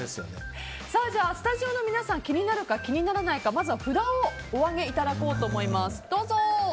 スタジオの皆さん気になるか気にならないかまずは札をお上げいただこうかと思います。